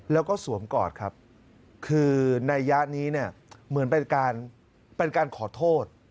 แล้วก็สวมกอดครับคือในยะนี้เนี่ยเหมือนเป็นการเป็นการขอโทษ